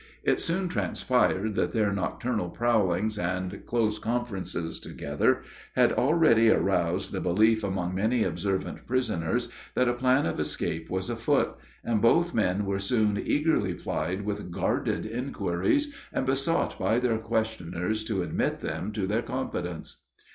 It soon transpired that their nocturnal prowlings and close conferences together had already aroused the belief among many observant prisoners that a plan of escape was afoot, and both men were soon eagerly plied with guarded inquiries, and besought by their questioners to admit them to their confidence.